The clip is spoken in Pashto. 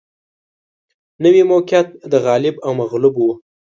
نوي موقعیت د غالب او مغلوب و